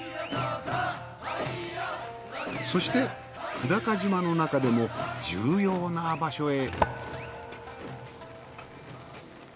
そして久高島の中でも重要な場所へ。